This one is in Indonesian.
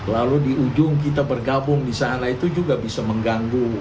lalu di ujung kita bergabung di sana itu juga bisa mengganggu